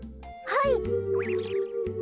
はい。